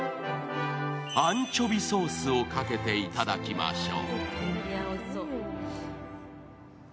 アンチョビソースをかけていただきましょう。